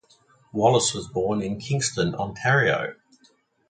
Wallace was born in Kingston, Ontario.